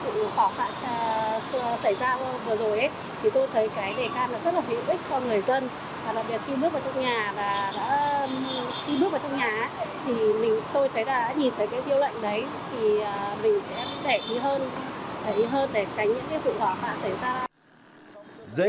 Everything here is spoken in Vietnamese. thì tôi thấy cái đề can là rất là hữu ích cho người dân và đặc biệt khi bước vào trong nhà thì tôi thấy là nhìn thấy cái tiêu lệnh đấy thì mình sẽ đẻ ý hơn để tránh những vụ khó khăn xảy ra